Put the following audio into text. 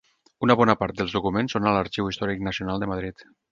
Una bona part dels documents són a l'Arxiu Històric Nacional de Madrid.